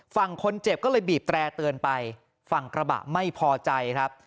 ฝั่งคนเจ็บก็เลยบีบแตร่เตือนไปฝั่งกระบะไม่พอใจครับ